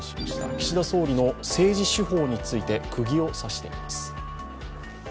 岸田総理の政治手法についてクギを刺しています。